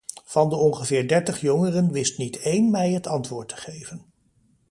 Van de ongeveer dertig jongeren wist niet één mij het antwoord te geven.